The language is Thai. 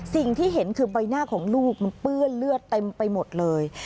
สิ่งที่เห็นคือใบหน้าของลูกมันเปื้อนเลือดเต็มไปหมดเลย